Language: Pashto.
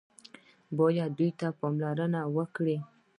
بايد دې ته پاملرنه وکړي.